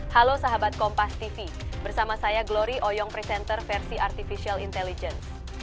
halo sahabat kompas tv bersama saya glory oyong presenter versi artificial intelligence